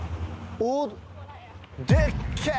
おっでっけえ！